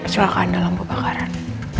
selaka anda lampu bakaran